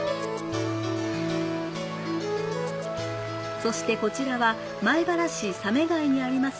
そしてこちらは米原市醒井にあります